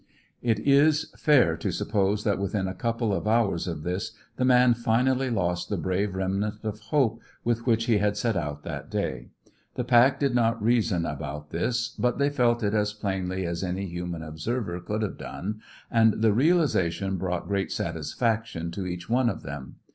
It is fair to suppose that within a couple of hours of this time the man finally lost the brave remnant of hope with which he had set out that day. The pack did not reason about this, but they felt it as plainly as any human observer could have done, and the realization brought great satisfaction to each one of them.